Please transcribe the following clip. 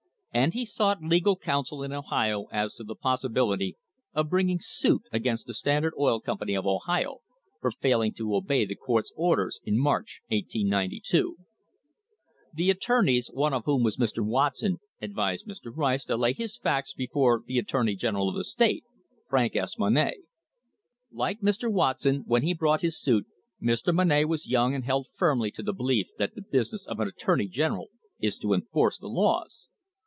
And he sought legal counsel in Ohio as to the possi bility of bringing suit against the Standard Oil Company of Ohio for failing to obey the court's orders in March, 1892. The attorneys, one of whom was Mr. Watson, advised Mr. Rice to lay his facts before the attorney general of the state, Frank S. Monnett. Like Mr. Watson, when he brought his suit, Mr. Monnett was young and held firmly to the belief that the business of an attorney general is to enforce the laws.